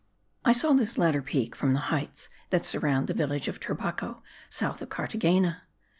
I saw this latter peak from the heights that surrounded the village of Turbaco, south of Carthagena.